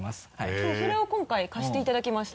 そうそれを今回貸していただきました。